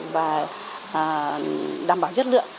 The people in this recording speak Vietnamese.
và đảm bảo chất lượng